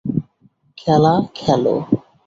খেলা খেলো।